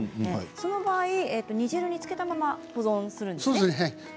その場合、煮汁につけたまま保存するんですね。